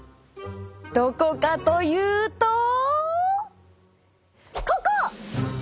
どこかというとここ！